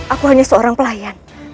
aku hanya seorang pelayan